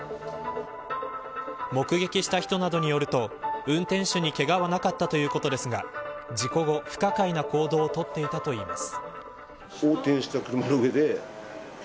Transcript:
目撃した人などによると運転手にけがはなかったということですが事故後、不可解な行動を取っていたといいます。